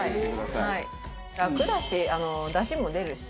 楽だし出汁も出るし。